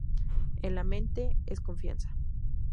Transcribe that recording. En la mente, es confianza.